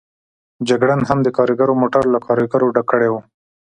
جګړن هم د کاریګرو موټر له کاریګرو ډک کړی و.